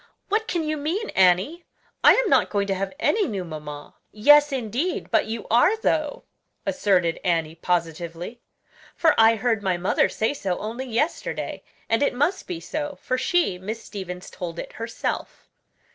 "What can you mean, Annie? I am not going to have any new mamma." "Yes, indeed, but you are though," asserted Annie positively; "for I heard my mother say so only yesterday; and it must be so, for she Miss Stevens told it herself."